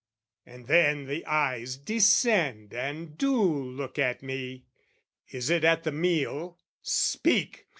And then the eyes descend And do look at me. Is it at the meal? "Speak!"